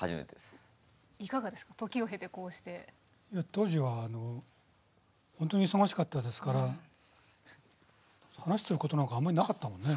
当時はほんとに忙しかったですから話してることなんかあんまりなかったもんね。